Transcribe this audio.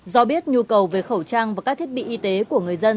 do biết nhu cầu về khẩu trang và các thiết bị y tế của người dân